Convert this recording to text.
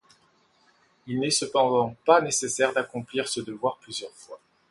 Il n'est cependant pas nécessaire d'accomplir ce devoir plusieurs fois.